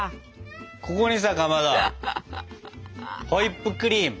ここにさかまどホイップクリーム。